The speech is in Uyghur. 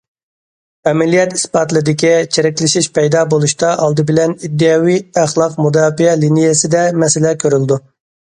ئەمەلىيەت ئىسپاتلىدىكى، چىرىكلىشىش پەيدا بولۇشتا ئالدى بىلەن ئىدىيەۋى ئەخلاق مۇداپىئە لىنىيەسىدە مەسىلە كۆرۈلىدۇ.